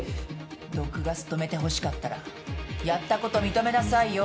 毒ガス止めてほしかったらやったこと認めなさいよ。